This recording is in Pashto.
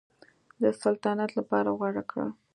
د سلطنت لپاره غوره کړ.